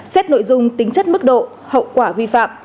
xét nội dung tính chất mức độ hậu quả vi phạm